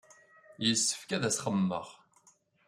Yessefk ad as-xemmemeɣ.